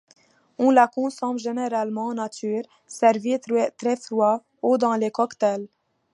On la consomme généralement nature, servie très froid, ou dans les cocktails.